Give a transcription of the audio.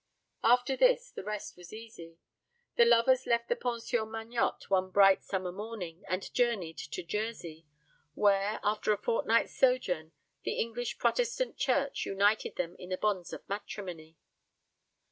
After this the rest was easy. The lovers left the Pension Magnotte one bright summer morning, and journeyed to Jersey, where, after a fortnight's sojourn, the English Protestant church united them in the bonds of matrimony.